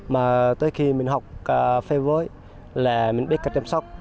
mà tới khi mình học cà phê với là mình biết cách chăm sóc